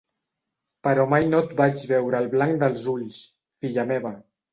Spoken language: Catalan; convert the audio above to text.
Però mai no et vaig veure el blanc dels ulls, filla meva.